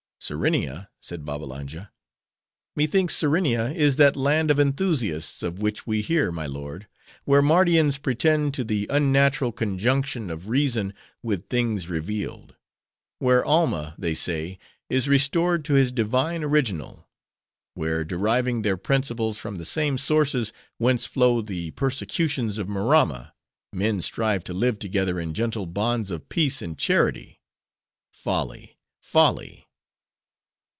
"Serenia?" said Babbalanja; "methinks Serenia is that land of enthusiasts, of which we hear, my lord; where Mardians pretend to the unnatural conjunction of reason with things revealed; where Alma, they say, is restored to his divine original; where, deriving their principles from the same sources whence flow the persecutions of Maramma,—men strive to live together in gentle bonds of peace and charity;—folly! folly!"